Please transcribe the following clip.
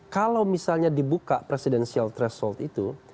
kalau misalnya dibuka presidential threshold itu